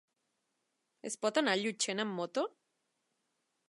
Es pot anar a Llutxent amb moto?